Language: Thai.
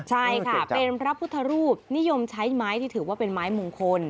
ใช่ค่ะเป็นพระพุทธรูปนิยมใช้ไม้ที่ถือว่าเป็นไม้มงคล